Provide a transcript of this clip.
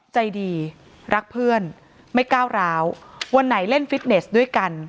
ใจดีรักเพื่อนไม่ก้าวร้าววันไหนเล่นฟิตเนสด้วยกัน